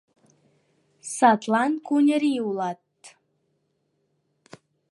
Садлан куньырий улат!